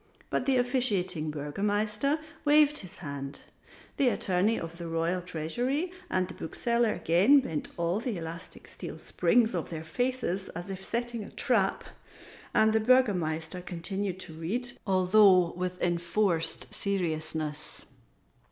But the officiating Burgomaster waved his hand, the Attorney of the Royal Treasury and the Bookseller again bent all the elastic steel springs of their faces as if setting a trap, and the Burgomaster continued to read, although with enforced seriousness.